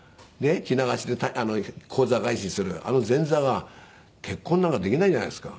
着流しで高座返しするあの前座が結婚なんかできないじゃないですか。